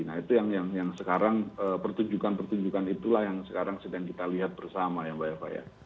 nah itu yang sekarang pertunjukan pertunjukan itulah yang sekarang sedang kita lihat bersama ya mbak eva ya